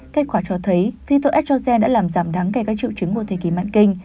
kết quả cho thấy phyto estrogen đã làm giảm đáng kẻ các triệu chứng của thời kỳ mạn kinh